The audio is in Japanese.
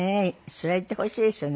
そりゃ言ってほしいですよね